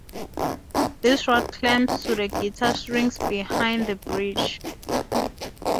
This rod clamps to the guitar strings behind the bridge.